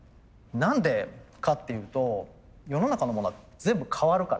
何でかっていうと世の中のものは全部変わるから。